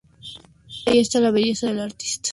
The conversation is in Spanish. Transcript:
Ahí está la belleza del artista.